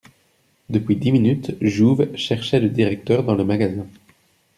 Depuis dix minutes, Jouve cherchait le directeur dans les magasins.